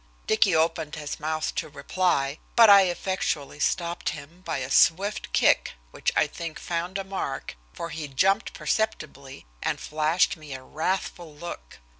Dicky opened his mouth to reply, but I effectually stopped him, by a swift kick, which I think found a mark, for he jumped perceptibly and flashed me a wrathful look.